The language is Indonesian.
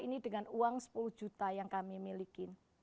ini dengan uang sepuluh juta yang kami miliki